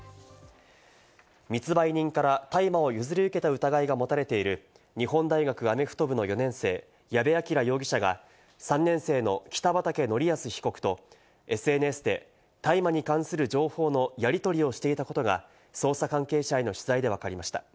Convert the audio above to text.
密売人から大麻を譲り受けた疑いが持たれている日本大学アメフト部の４年生・矢部鑑羅容疑者が３年生の北畠成文被告とＳＮＳで大麻に関する情報のやり取りをしていたことが捜査関係者への取材でわかりました。